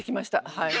はい。